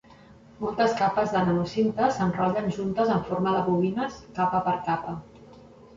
Moltes capes de nanocintes s'enrotllen juntes en forma de bobines, capa per capa.